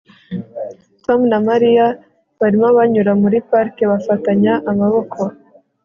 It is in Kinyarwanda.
Tom na Mariya barimo banyura muri parike bafatanye amaboko